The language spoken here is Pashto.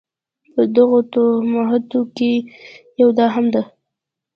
په دغو توهماتو کې یوه دا هم ده.